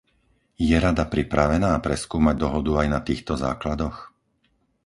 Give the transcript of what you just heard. Je Rada pripravená preskúmať dohodu aj na týchto základoch?